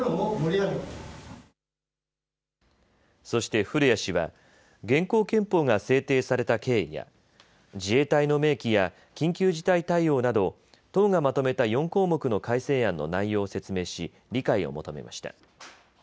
そして古屋氏は現行憲法が制定された経緯や自衛隊の明記や緊急事態対応など党がまとめた４項目の改正案の内容を説明し理解を求めました。